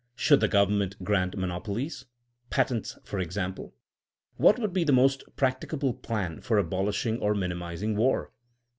Should the government grant monopolies? Patents, for example? What would be the most practicable plan for abolishing or minimizing war?